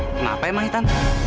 kenapa emang ibu tante